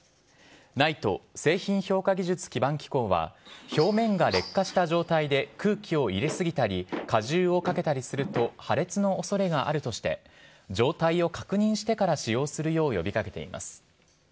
ＮＩＴＥ・製品評価技術基盤機構は、表面が劣化した状態で空気を入れ過ぎたり、荷重をかけたりすると、破裂のおそれがあるとして、状態を確認してから使用するよう呼びかけています。